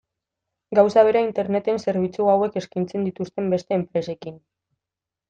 Gauza bera Interneten zerbitzu hauek eskaintzen dituzten beste enpresekin.